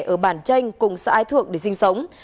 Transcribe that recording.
ở bản tranh cùng xã ai thượng để sinh sống